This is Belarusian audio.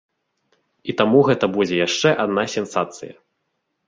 І таму гэта будзе яшчэ адна сенсацыя.